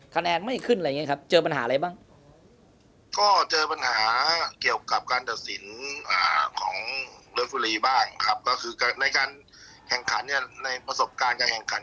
ก็เจอปัญหาเกี่ยวกับการตัดสินของนักการแค่การแข่นขันนี้ในประสบการณ์การแข่งขัน